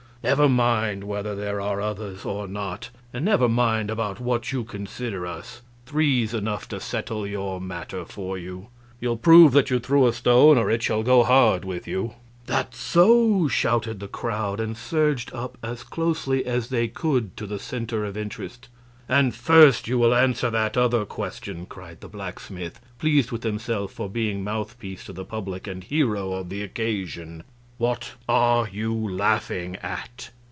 "Never mind whether there are others or not, and never mind about what you consider us three's enough to settle your matter for you. You'll prove that you threw a stone, or it shall go hard with you." "That's so!" shouted the crowd, and surged up as closely as they could to the center of interest. "And first you will answer that other question," cried the blacksmith, pleased with himself for being mouthpiece to the public and hero of the occasion. "What are you laughing at?"